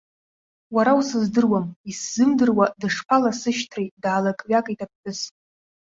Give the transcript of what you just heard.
Уара усыздыруам, исзымдыруа дышԥаласышьҭри, даалакҩакит аԥҳәыс.